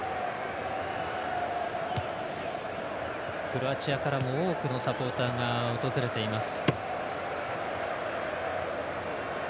クロアチアからも多くのサポーターが訪れています。